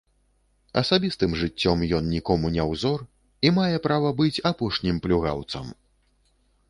Асабістым жыццём ён нікому не ўзор і мае права быць апошнім плюгаўцам.